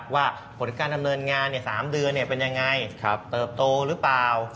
ว่าผลการดำเนินงาน๓เดือนเป็นยังไงเติบโตหรือเปล่า